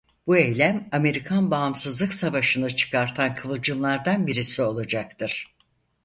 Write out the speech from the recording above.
Bu eylem Amerikan Bağımsızlık Savaşı'nı çıkartan kıvılcımlardan birisi olacaktır.